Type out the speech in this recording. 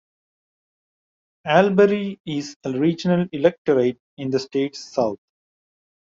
Albury is a regional electorate in the state's south.